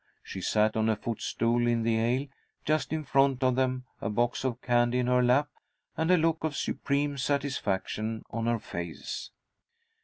She sat on a footstool in the aisle, just in front of them, a box of candy in her lap, and a look of supreme satisfaction on her face.